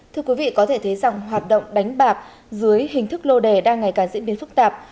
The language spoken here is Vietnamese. thưa quý vị có thể thấy rằng hoạt động đánh bạc dưới hình thức lô đề đang ngày càng diễn biến phức tạp